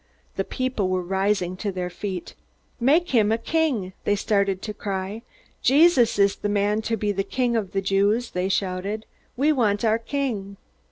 The people were rising to their feet. "Make him a king!" they started to cry. "Jesus is the man to be king of the Jews!" they shouted. "We want our king!"